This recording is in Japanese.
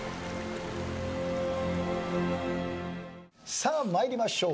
さあ参りましょう。